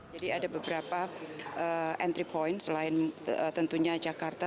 jadi ada beberapa entry point selain tentunya jakarta